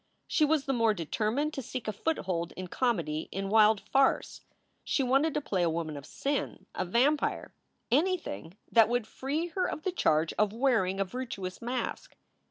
She was the more determined to seek a foothold in comedy, in wild farce. She wanted to play a woman of sin, a vampire, anything that would free her of the charge of wearing a virtuous mask.